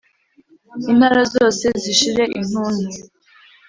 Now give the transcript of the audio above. intara zose zishire intuntu